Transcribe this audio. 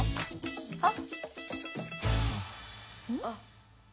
あっ！